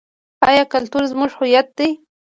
آیا کلتور زموږ هویت دی؟